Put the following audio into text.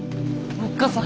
おっかさん！